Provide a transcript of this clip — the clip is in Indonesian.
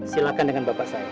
silahkan dengan bapak saya